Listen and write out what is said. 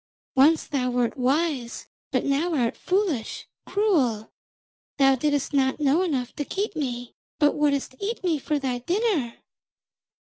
Once thou wert wise, but now art foolish, cruel. Thou didst not know enough to keep me, but wouldst eat me for thy dinner!'